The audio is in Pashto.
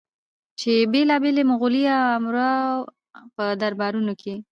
چې بېلابېلو مغولي امراوو په دربارونو کې